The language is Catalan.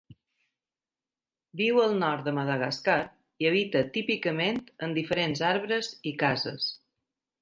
Viu al nord de Madagascar i habita típicament en diferents arbres i cases.